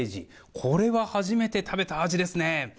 これは、初めて食べた味ですね。